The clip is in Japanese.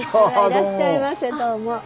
いらっしゃいませどうも。